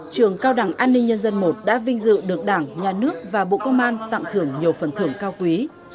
trường cao đẳng an ninh nhân dân i đã vinh dự được đảng nhà nước và bộ công an tặng thưởng nhiều phần thưởng cao quý